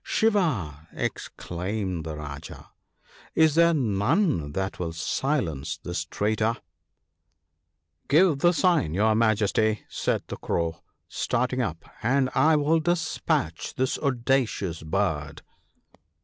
" Shiva !" exclaimed the Rajah, " is there none that will silence this traitor ?"" Give the sign, your Majesty," said the Crow, starting up, and I will despatch this audacious bird."